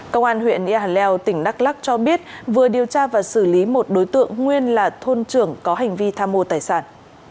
công an huyện ea leo tỉnh đắk lắc cho biết vừa điều tra và xử lý một đối tượng nguyên là thôn trưởng có hành vi tham mô tài sản